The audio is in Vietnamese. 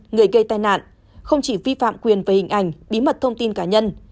người gây tai nạn không chỉ vi phạm quyền về hình ảnh bí mật thông tin cá nhân